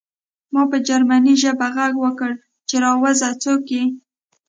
ما په جرمني ژبه غږ وکړ چې راوځه څوک یې